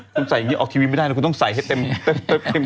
คุณใส่อย่างงี้ออกทีวีไม่ได้เลยคุณต้องใส่ให้เต็มเต็มเต็ม